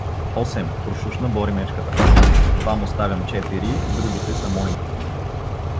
— Осем! — прошушна Боримечката. — Вам оставям четири; другите са мои.